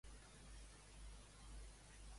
On subjecta a la Marianna, doncs?